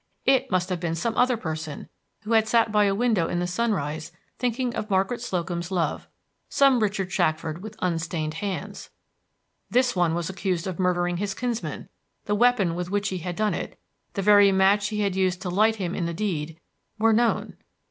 IT must have been some other person who had sat by a window in the sunrise thinking of Margaret Slocum's love, some Richard Shackford with unstained hands! This one was accused of murdering his kinsman; the weapon with which he had done it, the very match he had used to light him in the deed, were known!